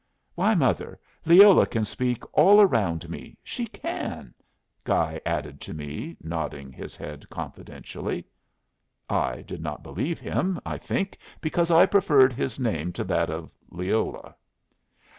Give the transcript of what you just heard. "Why, mother, Leola can speak all around me. She can," Guy added to me, nodding his head confidentially. I did not believe him, I think because I preferred his name to that of Leola.